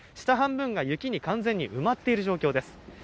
下半分が雪に完全に埋まっている状況です。